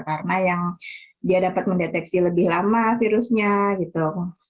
karena yang dia dapat mendeteksi lebih lama virusnya dan juga pasiennya